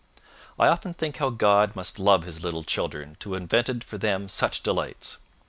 I often think how God must love his little children to have invented for them such delights!